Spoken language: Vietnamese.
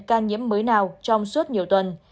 ca nhiễm mới nào trong suốt nhiều tuần